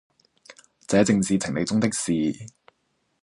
這正是情理中的事，